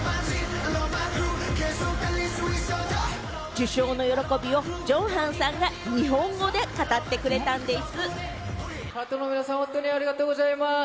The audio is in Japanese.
受賞の喜びをＪＥＯＮＧＨＡＮさんが日本語で語ってくれたんでぃす。